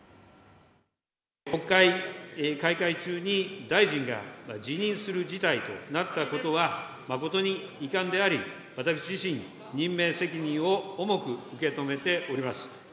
国会開会中に大臣が辞任する事態となったことは、誠に遺憾であり、私自身、任命責任を重く受け止めております。